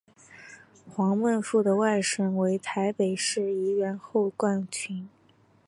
黄孟复的外甥为台北市议员侯冠群。